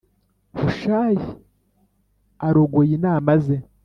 Hushayi arogoya inama ze